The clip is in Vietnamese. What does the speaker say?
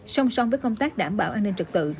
song song với công tác đảm bảo an ninh trật tự